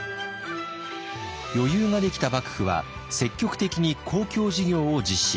余裕ができた幕府は積極的に公共事業を実施。